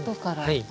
はい。